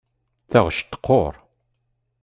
Taɣect teqquṛ.